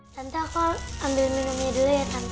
tante aku ambil minumnya dulu ya tante